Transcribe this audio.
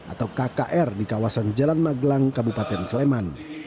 atau kkr di kawasan jalan magelang kabupaten sleman